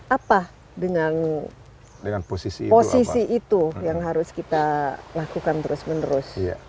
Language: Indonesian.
apa dengan posisi itu yang harus kita lakukan terus menerus